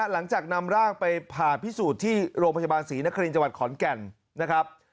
หลังจากนำร่างไปผ่าพิสูจน์ที่โรงพยาบาลศรีนครินจังหวัดขอนแก่นนะครับ